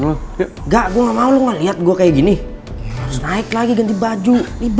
lo kenapa sih ngeleken gue